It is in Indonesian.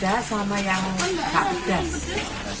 bisa sampai berapa kilo sate